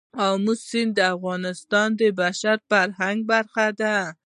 آمو سیند د افغانستان د بشري فرهنګ برخه ده.